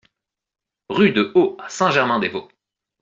Rue de Haut à Saint-Germain-des-Vaux